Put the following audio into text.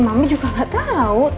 mama juga gak tau